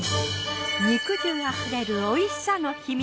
肉汁あふれるおいしさの秘密